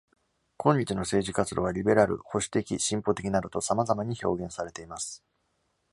今日の政治活動はリベラル、保守的、進歩的などと様々に表現されています。